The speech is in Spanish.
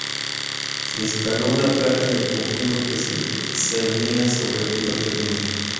Se instaló una placa en el conjunto, que se cernía sobre pirotecnia.